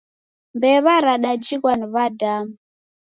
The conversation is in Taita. Mbew'a radajighwa ni w'adamu